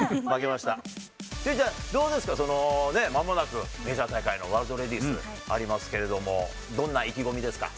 まもなくメジャー大会のワールドレディースありますけれども、どんな意気込みですか？